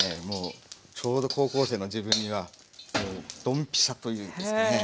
もうちょうど高校生の自分にはドンピシャといいますかね。